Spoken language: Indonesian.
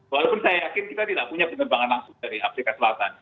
walaupun saya yakin kita tidak punya penerbangan langsung dari afrika selatan